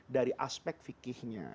dari aspek fikihnya